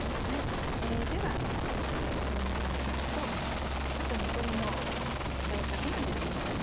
では手羽中の先とあと残りの手羽先も入れて行きます。